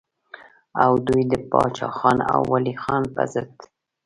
او دوي د باچا خان او ولي خان پۀ ضد